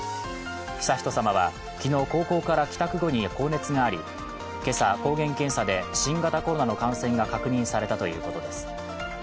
悠仁さまは昨日高校から帰宅後に高熱があり今朝、抗原検査で新型コロナの感染が確認されたということです